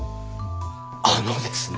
あのですね。